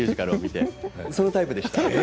そういうタイプでした。